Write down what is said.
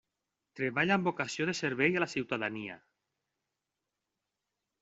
Treballa amb vocació de servei a la ciutadania.